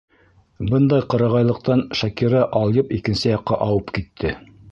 Бындай ҡырағайлыҡтан Шакира алйып икенсе яҡҡа ауып китте.